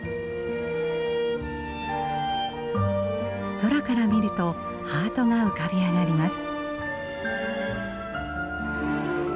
空から見るとハートが浮かび上がります。